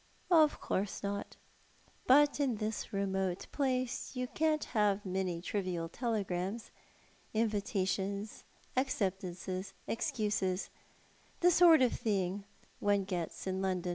'' "Of course not; but in this remote place you can't have many trivial telegrams — invitations, acceptances, excuses — the sort of thing one gets in London."